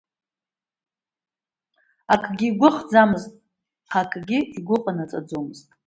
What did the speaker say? Акгьы игәы ахӡамызт, акгьы игәы ҟанаҵаӡомызт.